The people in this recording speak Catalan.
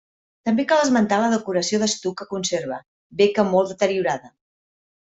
També cal esmentar la decoració d'estuc que conserva, bé que molt deteriorada.